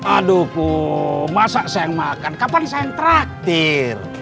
aduh kum masa saya yang makan kapan saya yang traktir